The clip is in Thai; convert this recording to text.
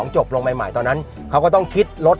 จบลงใหม่ตอนนั้นเขาก็ต้องคิดรถ